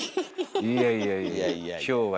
「いやいやいやいや今日は８日でしょ？